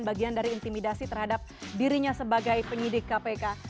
bagian dari intimidasi terhadap dirinya sebagai penyidik kpk